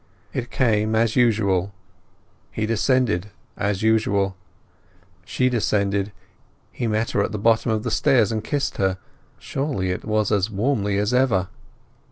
It came, as usual; he descended, as usual. She descended. He met her at the bottom of the stairs and kissed her. Surely it was as warmly as ever!